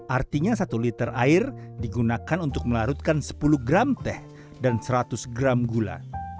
artinya satu liter air digunakan untuk melarutkan sepuluh gram teh dan seratus gram gula